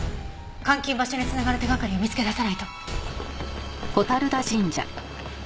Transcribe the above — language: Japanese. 監禁場所につながる手掛かりを見つけ出さないと。